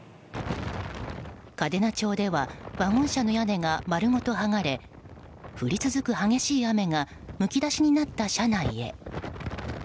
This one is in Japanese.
嘉手納町ではワゴン車の屋根が丸ごと剥がれ降り続く激しい雨がむき出しになった車内へ。